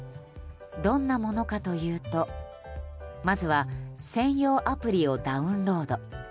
どんなものかというと、まずは専用アプリをダウンロード。